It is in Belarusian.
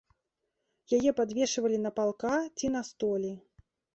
Яе падвешвалі на палка ці на столі.